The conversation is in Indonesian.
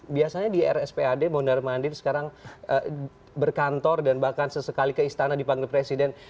biasanya di rspad mondar mandir sekarang berkantor dan bahkan sesekali ke istana dipanggil presiden